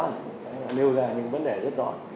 nêu ra những vấn đề rất rõ